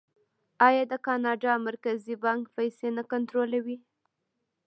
آیا د کاناډا مرکزي بانک پیسې نه کنټرولوي؟